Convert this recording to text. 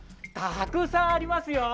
たくさんありますよ！